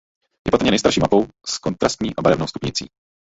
Je patrně nejstarší mapou s kontrastní barevnou stupnicí.